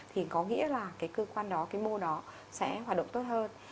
thì có nghĩa là cái cơ quan đó cái mô đó sẽ hoạt động tốt hơn